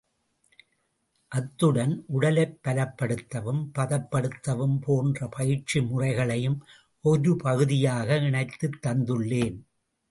அத்துடன், உடலைப் பலப்படுத்தவும், பதப்படுத்தவும் போன்ற பயிற்சி முறைகளையும் ஒரு பகுதியாக இணைத்துத் தந்துள்ளேன்.